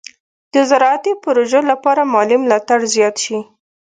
د زراعتي پروژو لپاره مالي ملاتړ زیات شي.